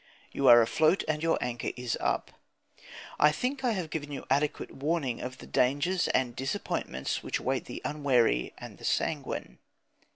You are afloat, and your anchor is up. I think I have given adequate warning of the dangers and disappointments which await the unwary and the sanguine.